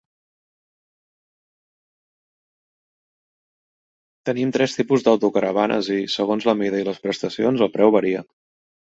Tenim tres tipus d'autocaravanes i, segons la mida i les prestacions, el preu varia.